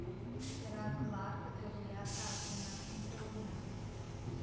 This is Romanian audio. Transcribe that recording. Era clar că trebuia să acționăm împreună.